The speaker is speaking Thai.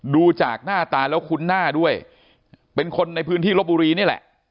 ดูจากหน้าตาแล้วคุ้นหน้าด้วยเป็นคนในพื้นที่ลบบุรีนี่แหละ